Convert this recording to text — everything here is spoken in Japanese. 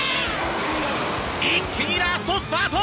一気にラストスパート！